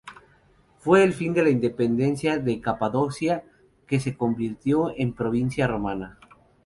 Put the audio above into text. Fue el fin de la independencia de Capadocia, que se convirtió en provincia romana.